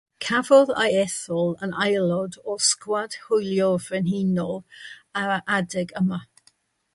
Cafodd ei ethol yn aelod o'r Sgwad Hwylio Frenhinol ar yr adeg yma.